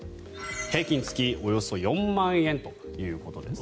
平均月およそ４万円ということです。